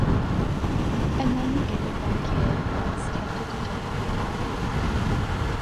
And then you get the one kid that's tempted to jump off the balcony.